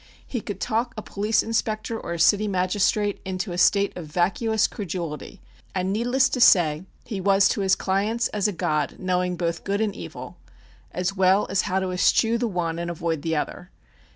He could talk a police inspector or a city magistrate into a state of vacuous credulity, and needless to say he was to his clients as a god knowing both good and evil, as well as how to eschew the one and avoid the other.